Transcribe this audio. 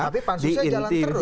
tapi pansusnya jalan terus